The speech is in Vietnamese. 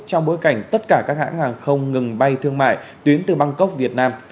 trong bối cảnh tất cả các hãng hàng không ngừng bay thương mại tuyến từ bangkok việt nam